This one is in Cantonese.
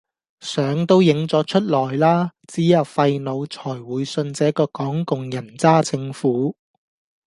相都影咗出來啦！只有廢腦才會信這個港共人渣政府